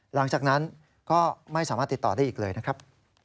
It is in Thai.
หลังจากนั้นก็ไม่สามารถติดต่อได้อีกเลยนะครับ